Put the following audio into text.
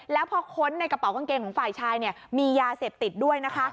แล้วพอค้นในกระเป๋ากางเกงของฝ่ายชายมียาเสพติดด้วยนะคะ